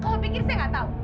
aku pikir saya nggak tahu